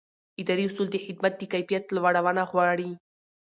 اداري اصول د خدمت د کیفیت لوړونه غواړي.